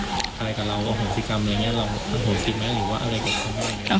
เราอโหงศิกมั้ยหรือว่าอะไรกับเขา